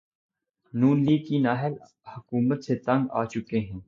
نون League کی نااہل حکومت سے تنگ آچکے ہیں